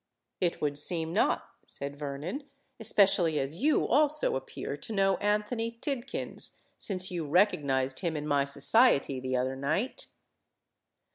"It would seem not," said Vernon: "especially as you also appear to know Anthony Tidkins, since you recognised him in my society the other night."